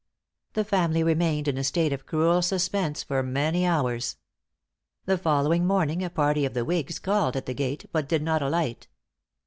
The family remained in a state of cruel suspense for many hours. The following morning a party of the whigs called at the gate, but did not alight.